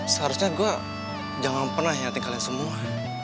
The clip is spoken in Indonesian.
seharusnya gue jangan pernah jahatin kalian semua